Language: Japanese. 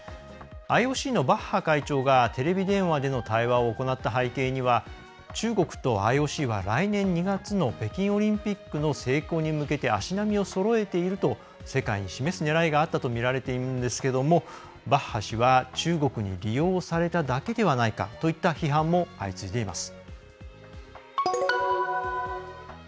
ＩＯＣのバッハ会長がテレビ電話での対話を行った背景には、中国とＩＯＣは来年２月の北京オリンピックの成功に向けて足並みをそろえていると世界に示すねらいがあったとみられているんですけれどもバッハ氏は中国に利用されただけではないかといった批判も相次いでいます。